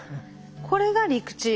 これが陸地。